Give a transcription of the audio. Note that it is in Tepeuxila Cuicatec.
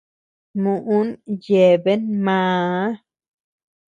Muʼün yebean maa.